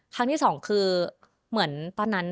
ครั้งที่สองคือเหมือนตอนนั้น